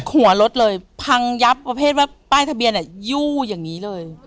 หัวรถเลยพังยับประเภทว่าป้ายทะเบียนยู่อย่างนี้เลย